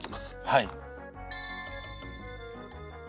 はい。